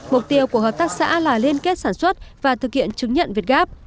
mục tiêu của hợp tác xã là liên kết sản xuất và thực hiện chứng nhận việt gáp